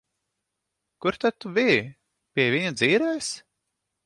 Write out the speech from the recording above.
Kur tad tu biji? Pie viņa dzīrēs?